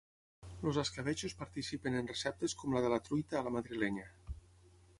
Els escabetxos participen en receptes com la de la truita a la madrilenya.